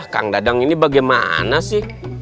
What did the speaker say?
kang dadang ini bagaimana sih